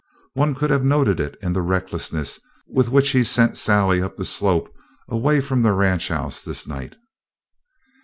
One could have noted it in the recklessness with which he sent Sally up the slope away from the ranch house this night.